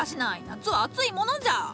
夏は暑いものじゃ！